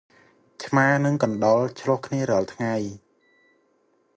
ឆ្មានិងកណ្ដុរឈ្លោះគ្នារាល់ថ្ងៃ។